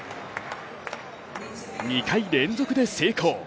２回連続で成功。